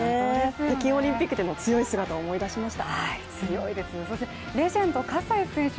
北京オリンピックでの強い姿を思い出しました。